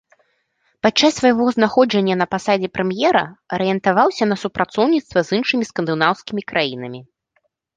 Падчас свайго знаходжання на пасадзе прэм'ера арыентаваўся на супрацоўніцтва з іншымі скандынаўскімі краінамі.